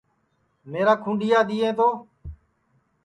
میرا کھُونڈِؔیا دؔیئیں تو